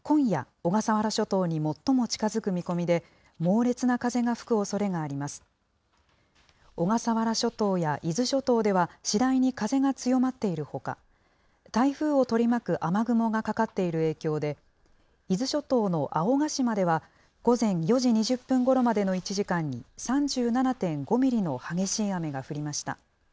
小笠原諸島や伊豆諸島では次第に風が強まっているほか、台風を取り巻く雨雲がかかっている影響で、伊豆諸島の青ヶ島では、午前４時２０分ごろまでの１時間に３７．５ミリの激しい雨が降りました。